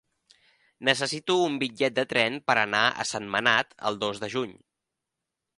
Necessito un bitllet de tren per anar a Sentmenat el dos de juny.